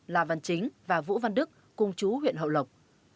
la văn chính và vũ văn đức cùng chú huyện hậu lộc